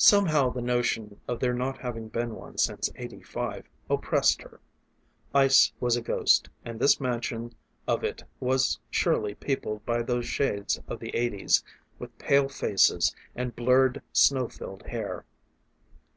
Somehow the notion of there not having been one since eighty five oppressed her. Ice was a ghost, and this mansion of it was surely peopled by those shades of the eighties, with pale faces and blurred snow filled hair.